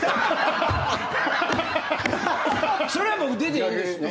それは僕出ていいんですね。